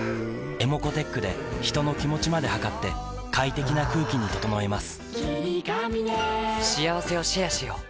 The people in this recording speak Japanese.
ｅｍｏｃｏーｔｅｃｈで人の気持ちまで測って快適な空気に整えます